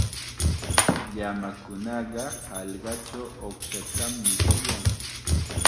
Llamakunaqa hallqachaw uqshatam mikuyan.